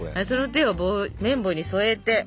その手を麺棒に添えて。